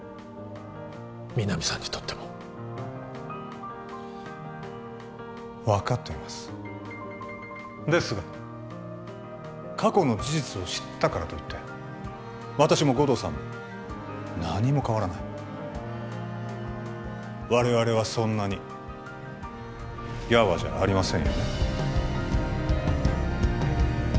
皆実さんにとっても分かっていますですが過去の事実を知ったからといって私も護道さんも何も変わらない我々はそんなにやわじゃありませんよね